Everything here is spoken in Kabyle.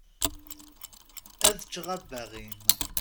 Ad ččeɣ abbaɣ-im.